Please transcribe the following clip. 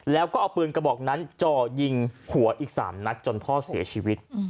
แล้วก็เอาปืนกระบอกนั้นจ่อยิงหัวอีก๓นัดจนพ่อเสียชีวิต